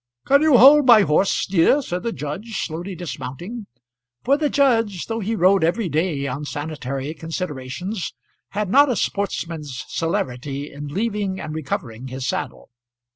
"Can you hold my horse, dear," said the judge, slowly dismounting; for the judge, though he rode every day on sanitary considerations, had not a sportsman's celerity in leaving and recovering his saddle.